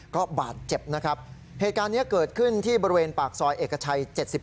ก็บาดเจ็บนะครับเหตุการณ์นี้เกิดขึ้นที่บริเวณปากซอยเอกชัย๗๑